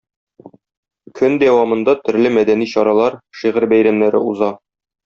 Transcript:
Көн дәвамында төрле мәдәни чаралар, шигырь бәйрәмнәре уза.